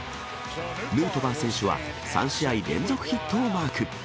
ヌートバー選手は３試合連続ヒットをマーク。